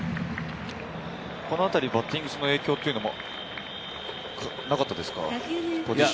このあたり、バッティングに影響もなかったですか？